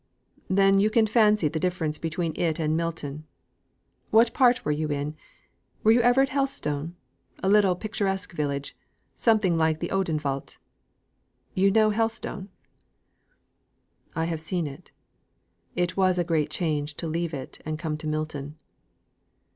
"Then you can fancy the difference between it and Milton. What part were you in? Were you ever at Helstone? a little picturesque village, like some in the Odenwald? You know Helstone?" "I have seen it. It was a great change to leave it and come to Milton."